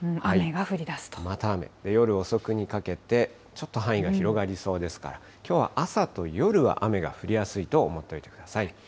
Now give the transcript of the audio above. また雨、夜遅くにかけて、ちょっと範囲が広がりそうですから、きょうは朝と夜は雨が降りやすいと思っておいてください。